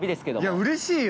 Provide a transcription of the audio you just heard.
◆うれしいよ！